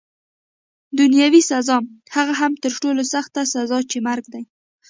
دنیاوي سزا، هغه هم تر ټولو سخته سزا چي مرګ دی.